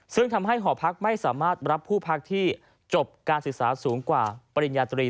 ซึ่งทำให้หอพักไม่สามารถรับผู้พักที่จบการศึกษาสูงกว่าปริญญาตรี